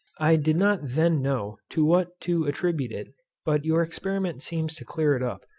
I did not then know to what to attribute it, but your experiment seems to clear it up.